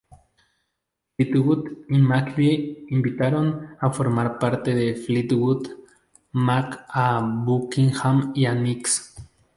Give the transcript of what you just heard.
Fleetwood y McVie invitaron formar parte de Fleetwood Mac a Buckingham y a Nicks.